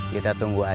kita tunggu aja